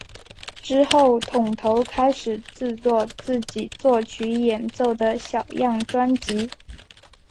之后桶头开始制作自己作曲演奏的小样专辑。